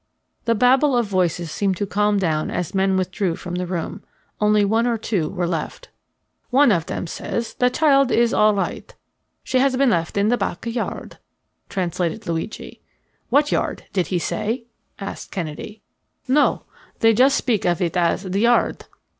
'" The babel of voices seemed to calm down as men withdrew from the room. Only one or two were left. "One of them says the child is all right. She has been left in the back yard," translated Luigi. "What yard? Did he say?" asked Kennedy. "No, they just speak of it as the 'yard.'"